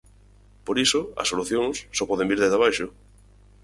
Por iso, as solucións só poden vir desde abaixo.